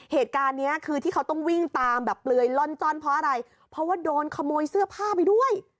เหตุการณ์นี้คือที่เขาต้องวิ่งตามแบบเปลือยล่อนจ้อนเพราะอะไรเพราะว่าโดนขโมยเสื้อผ้าไปด้วย